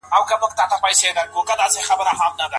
څه شی باید د سهار په لومړیو کي ترسره کړو؟